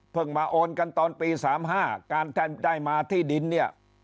มาโอนกันตอนปี๓๕การท่านได้มาที่ดินเนี่ย